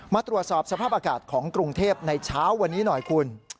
มาตรวจสอบสภาพอากาศของกรุงเทพในเช้าวันนี้หน่อยคุณ